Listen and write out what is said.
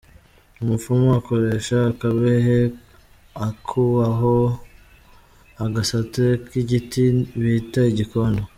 Umupfumu akoresha akabehe akubaho agasate k’igiti bita igikondo.